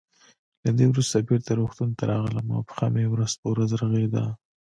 له دې وروسته بېرته روغتون ته راغلم او پښه مې ورځ په ورځ رغېده.